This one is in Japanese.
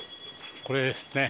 これですね。